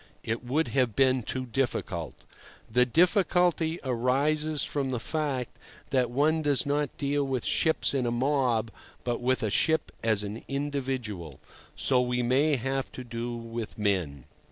It would have been too difficult. The difficulty arises from the fact that one does not deal with ships in a mob, but with a ship as an individual. So we may have to do with men.